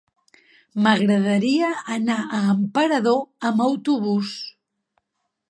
M'agradaria anar a Emperador amb autobús.